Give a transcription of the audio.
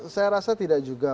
saya rasa tidak juga